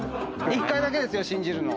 １回だけですよ信じるの。